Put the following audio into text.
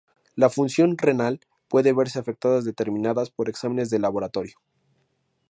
La función renal puede verse afectadas determinadas por exámenes de laboratorio.